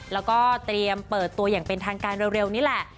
แล้วก็เตรียมเปิดตัวอย่างเป็นทางการเร็วนี่แหละ